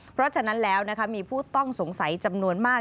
เพราะฉะนั้นแล้วมีผู้ต้องสงสัยจำนวนมาก